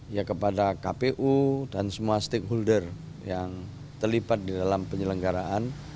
ya kepada kpu dan semua stakeholder yang terlibat di dalam penyelenggaraan